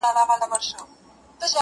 د سترگو تور مي د هغې مخته ايږدمه ځمه~